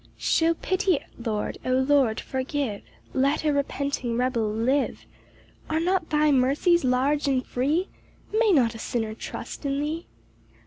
1 Shew pity, Lord, O Lord, forgive, Let a repenting rebel live: Are not thy mercies large and free? May not a sinner trust in thee?